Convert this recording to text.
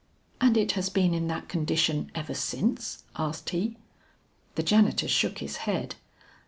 "And it has been in that condition ever since?" asked he. The janitor shook his head.